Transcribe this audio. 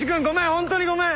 ホントにごめん。